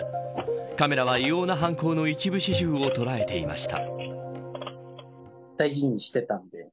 カメラは異様な犯行の一部始終を捉えていました。